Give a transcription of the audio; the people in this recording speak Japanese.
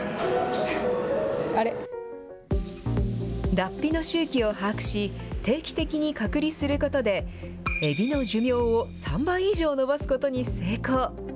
脱皮の周期を把握し、定期的に隔離することで、エビの寿命を３倍以上延ばすことに成功。